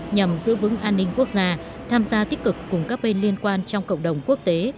nhằm giữ vững an ninh quốc gia tham gia tích cực cùng các bên liên quan trong cộng đồng quốc tế